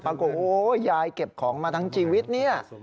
โอ้ยายเก็บของมาทั้งชีวิตเนี่ย